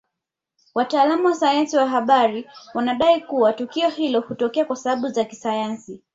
Wataalamu wa sayansi ya bahari wanadai kua tukio hilo hutokea kwasababu za kisayansi